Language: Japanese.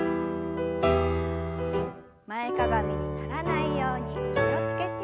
前かがみにならないように気を付けて。